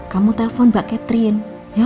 kamu telpon mbak catherine